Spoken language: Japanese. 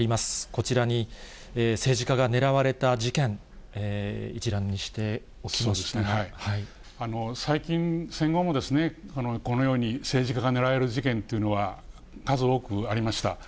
こちらに政治家が狙われた事件、最近、戦後もこのように政治家が狙われる事件というのは数多くありました。